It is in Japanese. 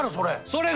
それ。